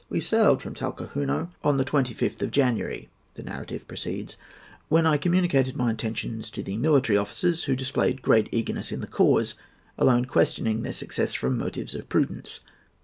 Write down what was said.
"We sailed from Talcahuano on the 25th of January," the narrative proceeds, "when I communicated my intentions to the military officers, who displayed great eagerness in the cause—alone questioning their success from motives of prudence.